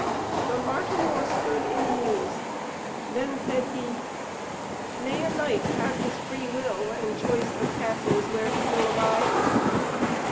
But Martimor stood in a muse; then said he, "May a knight have his free will and choice of castles, where he will abide?"